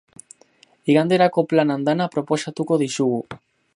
Iganderako plan andana proposatuko dizugu.